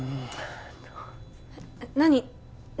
何？